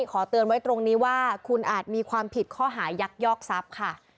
ขอเตือนไว้ตรงนี้ว่าคุณอาจมีความผิดข้อหายักยอกทรัพย์ค่ะ